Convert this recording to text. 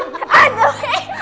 apa ketawa ketawa tuh